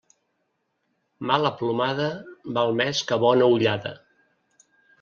Mala plomada val més que bona ullada.